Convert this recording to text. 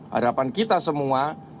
harapan kita semua